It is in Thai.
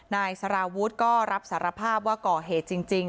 นายสารวุฒิก็รับสารภาพว่าก่อเหตุจริง